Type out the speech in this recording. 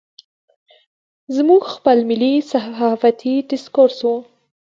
زموږ خپل ملي صحافتي ډسکورس و.